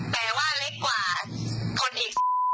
แต่ว่าเล็กกว่าคนอีก